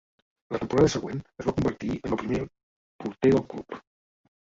La temporada següent, es va convertir en el primer porter del club.